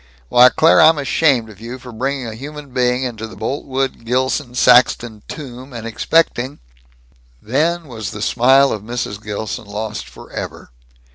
Why, Claire, I'm ashamed of you for bringing a human being into the Boltwood Gilson Saxton tomb and expecting " Then was the smile of Mrs. Gilson lost forever.